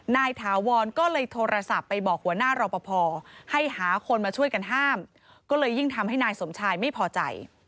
ถาวรก็เลยโทรศัพท์ไปบอกหัวหน้ารอปภให้หาคนมาช่วยกันห้ามก็เลยยิ่งทำให้นายสมชายไม่พอใจ